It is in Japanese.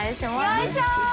よいしょ！